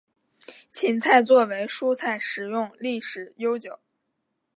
芹菜作为蔬菜食用历史悠久。